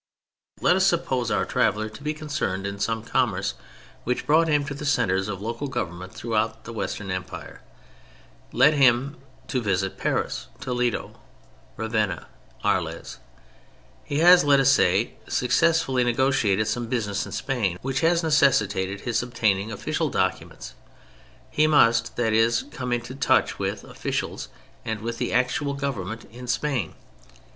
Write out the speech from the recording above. Let us suppose our traveler to be concerned in some commerce which brought him to the centres of local government throughout the Western Empire. Let him have to visit Paris, Toledo, Ravenna, Arles. He has, let us say, successfully negotiated some business in Spain, which has necessitated his obtaining official documents. He must, that is, come into touch with officials and with the actual Government in Spain.